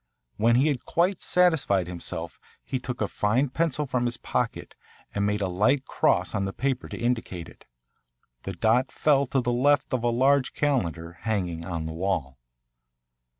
When he had quite satisfied himself he took a fine pencil from his pocket and made a light cross on the paper to indicate it. The dot fell to the left of a large calendar hanging on the wall.